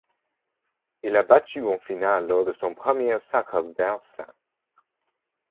Il a battu en finale lors de son premier sacre Vere St.